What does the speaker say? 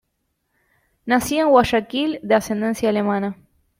Nacido en Guayaquil, de ascendencia alemana.